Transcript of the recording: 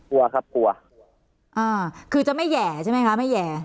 กลัวครับกลัวอ่าคือจะไม่แห่ใช่ไหมคะไม่แห่